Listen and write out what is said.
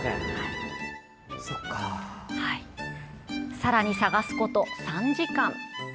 さらに探すこと３時間。